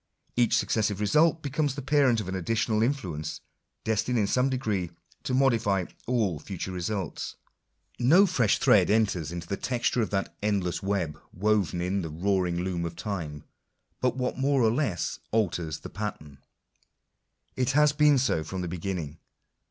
. Each successive result becomes the parent of an additional in fluence, destined in some degree to modify all future results. No fresh thread enters into the texture of that endless web* woven in " the roaring loom of Time" but what more or less Digitized by VjOOQIC INTRODUCTION. 33 V alters tbe pattern. It has been so from the beginning.